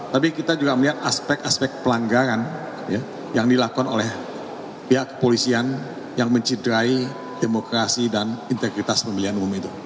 tapi kita juga melihat aspek aspek pelanggaran yang dilakukan oleh pihak kepolisian yang mencidrai demokrasi dan integritas pemilihan umum itu